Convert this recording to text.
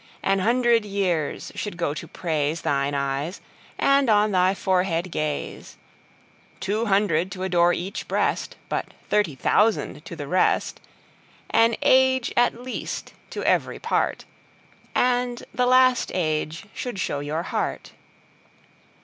An hundred years should go to praiseThine Eyes, and on thy Forehead Gaze.Two hundred to adore each Breast:But thirty thousand to the rest. An Age at least to every part, And the last Age should show your Heart.